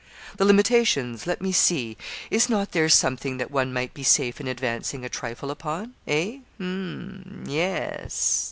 'The limitations, let me see, is not there something that one might be safe in advancing a trifle upon eh? h'm yes.'